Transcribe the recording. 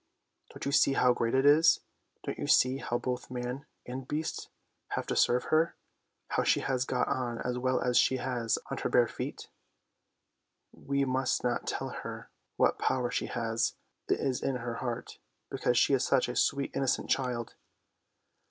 Don't you see how great it is? Don't you see how both man and beast have to serve her? How she has got on as well as she has on her bare feet? We must not tell her what power she has; it is in her heart, because she is such a sweet innocent child.